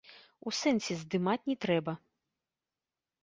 У сэнсе здымаць не трэба.